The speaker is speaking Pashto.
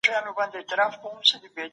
مونږ بايد خپل تاريخ له ابهام څخه خلاص کړو.